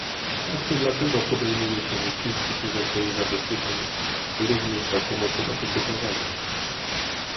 Właśnie dlatego podejmuje się wysiłki służące jej zabezpieczeniu, również za pomocą etykietowania